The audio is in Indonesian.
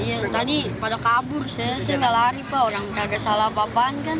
iya tadi pada kabur saya saya nggak lari pak orang kagak salah apa apaan kan